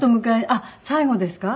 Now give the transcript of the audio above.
あっ最後ですか？